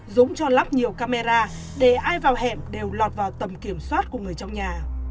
dũng cho lắp nhiều camera để ai vào hẻm đều lọt vào tầm kiểm soát của người trong nhà